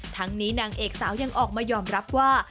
ทั้งนี้นางเอกสาวยังออกมายอมรับว่า